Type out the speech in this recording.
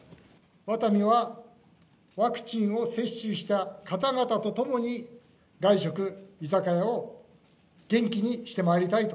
ワタミはワクチンを接種した方々とともに、外食、居酒屋を元気にしてまいりたいと。